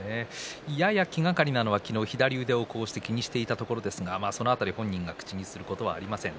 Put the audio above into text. やや気がかりなのは昨日、左腕を気にしていたところですがその辺り本人が口にすることはありません。